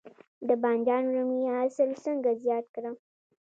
د بانجان رومي حاصل څنګه زیات کړم؟